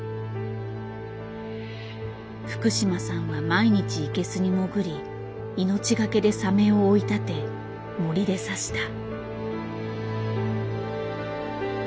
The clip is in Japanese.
福島さんは毎日イケスに潜り命懸けでサメを追い立て銛で刺した。